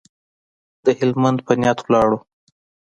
د هلمند په نیت ولاړو.